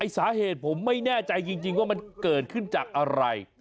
สาเหตุผมไม่แน่ใจจริงว่ามันเกิดขึ้นจากอะไร